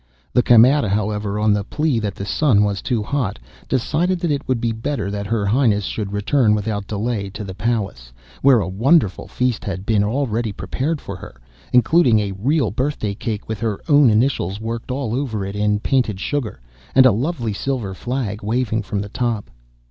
The Camerera, however, on the plea that the sun was too hot, decided that it would be better that her Highness should return without delay to the Palace, where a wonderful feast had been already prepared for her, including a real birthday cake with her own initials worked all over it in painted sugar and a lovely silver flag waving from the top.